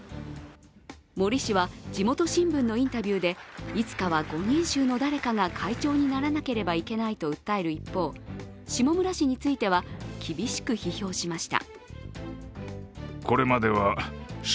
森氏は地元新聞のインタビューでいつかは５人衆の誰かが会長にならなければならないと訴える一方、下村氏については厳しく批評しました。